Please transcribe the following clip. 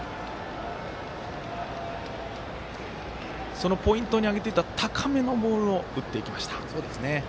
そのポイントに挙げていた高めのボールを打っていきました。